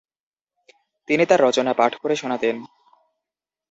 তিনি তার রচনা পাঠ করে শোনাতেন।